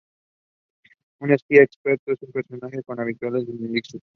Un espía experto en espionaje, con habilidades en ninjutsu.